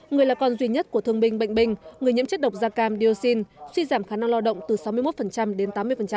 người là con duy nhất của thương binh bệnh binh người nhiễm chất độc da cam dioxin suy giảm khả năng lo động từ sáu mươi một đến tám mươi